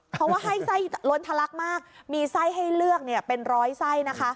เพราะว่าให้ไส้ล้นทะลักมากมีไส้ให้เลือกเป็นร้อยไส้นะคะ